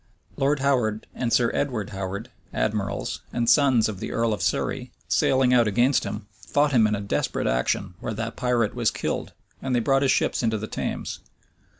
[] Lord Howard and Sir Edward Howard, admirals, and sons of the earl of Surrey, sailing out against him, fought him in a desperate action, where the pirate was killed; and they brought his ships into the Thames.